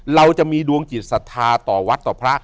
เราจะมีดวงจิตศรัทธาต่อวัดต่อพระ